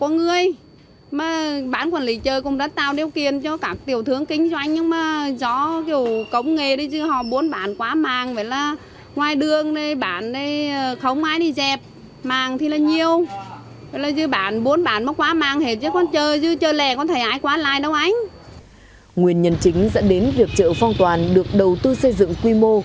nguyên nhân chính dẫn đến việc chợ phong toàn được đầu tư xây dựng quy mô